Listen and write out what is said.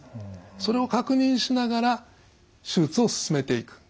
それを確認しながら手術を進めていく。